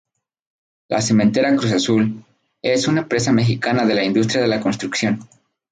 La Cementera Cruz Azul, es una empresa mexicana de la industria de la construcción.